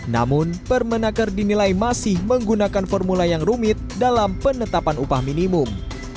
namun permenaker dinilai masih menggunakan formula yang rumit dalam penetapan upah minimum